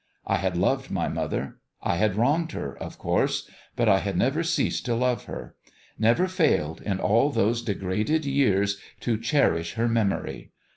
I had loved my mother. I had wronged her, of course ; but I had never ceased to love her never failed, in all those de graded years, to cherish her memory.